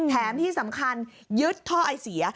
แถมที่สำคัญยึดท่อไอเสีย